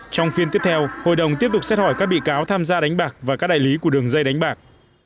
trong phiên tiếp theo hội đồng tiếp tục xét hỏi các bị cáo tham gia đánh bạc và các đại lý của đường dây đánh bạc